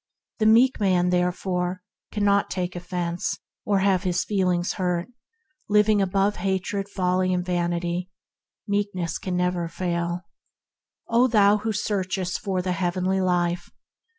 The meek man therefore cannot take offence or have his feelings hurt, living as he does above hatred, folly, and vanity. Meekness can never fail. O thou who searchest for the Heavenly Life!